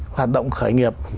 hoạt động khởi nghiệp